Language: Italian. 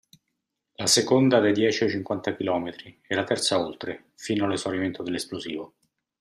La seconda dai dieci ai cinquanta chilometri e la terza oltre, fino all'esaurimento dell'esplosivo.